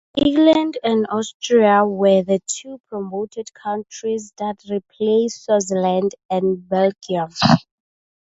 England and Austria were the two promoted countries that replaced Switzerland and Belgium.